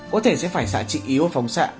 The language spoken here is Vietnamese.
có thể sẽ phải xả trị yếu phóng xạ